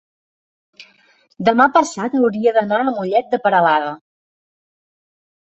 demà passat hauria d'anar a Mollet de Peralada.